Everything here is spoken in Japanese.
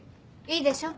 いいでしょ？